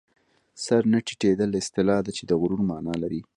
سر نه ټیټېدل اصطلاح ده چې د غرور مانا لري